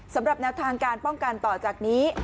สำหรับแนวทางการป้องกันต่อจากนี้